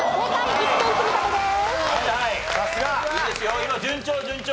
２点積み立てです。